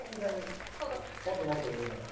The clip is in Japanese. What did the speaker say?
もっともっと上まで。